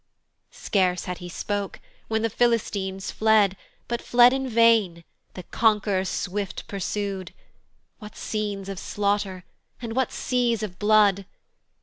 Scarce had he spoke, when the Philistines fled: But fled in vain; the conqu'ror swift pursu'd: What scenes of slaughter! and what seas of blood!